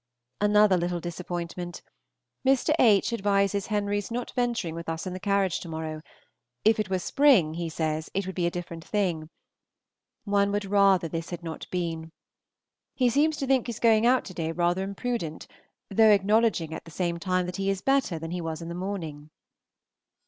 Another little disappointment: Mr. H. advises Henry's not venturing with us in the carriage to morrow; if it were spring, he says, it would be a different thing. One would rather this had not been. He seems to think his going out to day rather imprudent, though acknowledging at the same time that he is better than he was in the morning.